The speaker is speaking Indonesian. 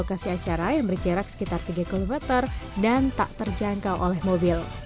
lokasi acara yang berjarak sekitar tiga km dan tak terjangkau oleh mobil